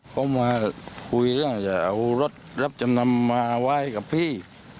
เขามาคุยเรื่องจะเอารถรับจำนำมาไว้กับพี่